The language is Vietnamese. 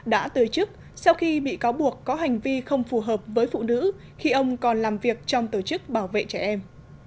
đã từ chức sau khi bị cáo buộc có hành vi không phù hợp với phụ nữ khi ông còn làm việc trong tổ chức bảo vệ trẻ em